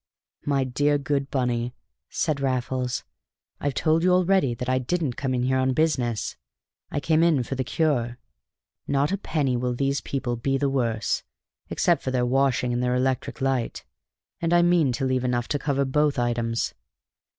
"My dear, good Bunny," said Raffles, "I've told you already that I didn't come in here on business. I came in for the Cure. Not a penny will these people be the worse, except for their washing and their electric light, and I mean to leave enough to cover both items."